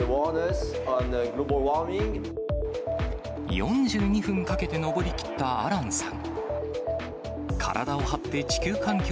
４２分かけて登り切ったアランさん。